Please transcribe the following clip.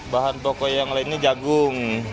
bahan toko yang lainnya jagung